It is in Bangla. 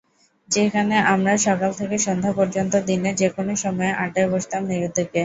সেখানে আমরা সকাল থেকে সন্ধ্যা পর্যন্ত দিনের যেকোনো সময়ে আড্ডায় বসতাম নিরুদ্বেগে।